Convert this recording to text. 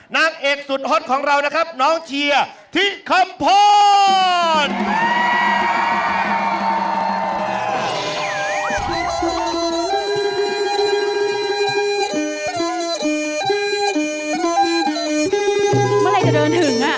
นางเอกสุดฮอตของเรานะครับน้องเชียร์ที่คำพร